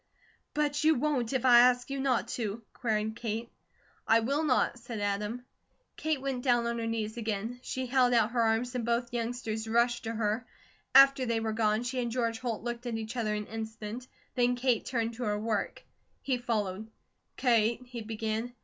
"But you WON'T if I ask you not to?" queried Kate. "I will not," said Adam. Kate went down on her knees again, she held out her arms and both youngsters rushed to her. After they were gone, she and George Holt looked at each other an instant, then Kate turned to her work. He followed: "Kate " he began.